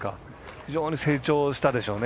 非常に成長したでしょうね。